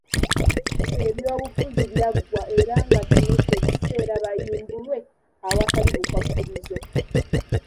Ebyobufuzi byaggwa era nga kino kye kiseera bayimbulwe awatali bukwakkulizo .